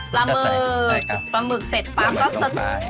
ปลาหมึกเสร็จปล่ามเอาปลาลงไป